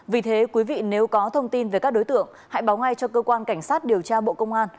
vì thế quý vị nếu có thông tin về các đối tượng hãy báo ngay cho cơ quan cảnh sát điều tra bộ công an